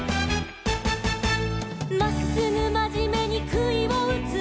「まっすぐまじめにくいをうつ」